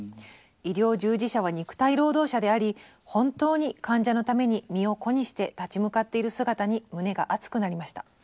医療従事者は肉体労働者であり本当に患者のために身を粉にして立ち向かっている姿に胸が熱くなりました。